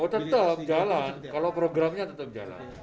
oh tetap jalan kalau programnya tetap jalan